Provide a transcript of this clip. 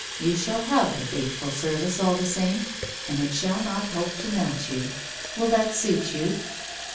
You shall have the faithful service all the same, and it shall not hope to melt you. Will that suit you